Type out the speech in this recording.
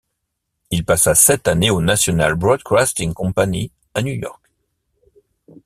Il passa sept années au National Broadcasting Company à New York.